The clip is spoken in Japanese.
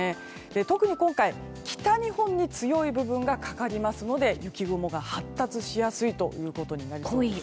特に今回、北日本に強い部分がかかりますので雪雲が発達しやすいということになります。